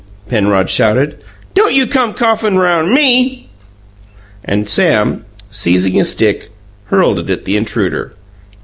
Penrod shouted. "Don't you come coughin' around ME!" And Sam, seizing a stick, hurled it at the intruder.